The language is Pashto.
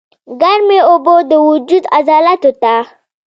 ګرمې اوبۀ د وجود عضلاتو ته